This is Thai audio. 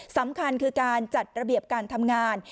สำคัญคือการจัดระเบียบการทำงาน